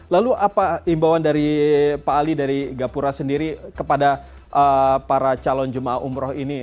lalu apa imbauan dari pak ali dari gapura sendiri kepada para calon jemaah umroh ini